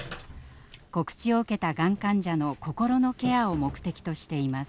告知を受けたがん患者の心のケアを目的としています。